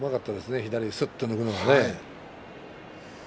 左にすっと抜くのがね。